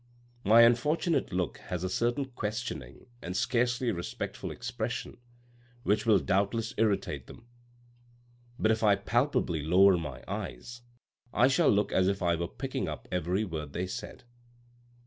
My unfortunate look has a certain questioning and scarcely respectful expression, which will doubtless irritate them. But THE SECRET NOTE 383 if I palpably lower my eyes I shall look as if I were picking up every word they said."